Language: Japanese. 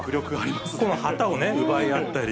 旗を奪い合ったり。